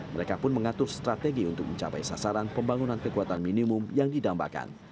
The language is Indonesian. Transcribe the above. mereka pun mengatur strategi untuk mencapai sasaran pembangunan kekuatan minimum yang didambakan